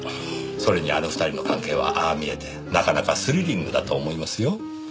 それにあの２人の関係はああ見えてなかなかスリリングだと思いますよ。